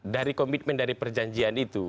dari komitmen dari perjanjian itu